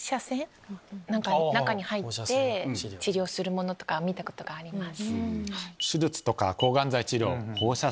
中に入って治療するものとか見たことがあります。